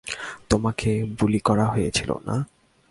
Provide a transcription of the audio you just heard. তোমাকে বুলি করা হয়েছিলো, না?